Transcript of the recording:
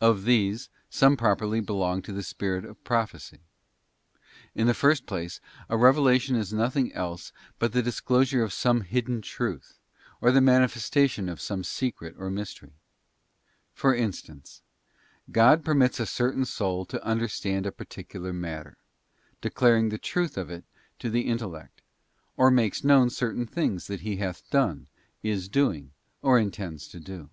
Of these, some properly belong to the spirit of Prophecy. In the first place, a revelation is nothing else but the disclosure of some hidden truth, or the manifestation of some secret or mystery. For instance, God permits a certain soul to understand a particular matter, declaring the truth of it to the intellect, or makes known certain things that He hath done, is doing, or intends to do.